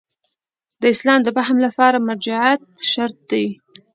د اسلام د فهم لپاره مرجعیت شرط دی.